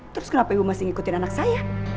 terus kenapa ibu masih ngikutin anak saya